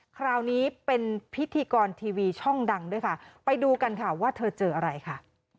คราวนี้เป็นพิธีกรทีวีช่องดังด้วยค่ะไปดูกันค่ะว่าเธอเจออะไรค่ะ